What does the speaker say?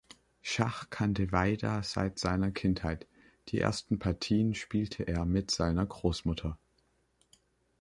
Schach kannte Vajda seit seiner Kindheit, die ersten Partien spielte er mit seiner Großmutter.